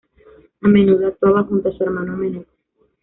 A menudo actuaba junto a su hermano menor.